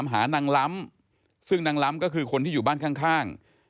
หานางล้ำซึ่งนางล้ำก็คือคนที่อยู่บ้านข้าง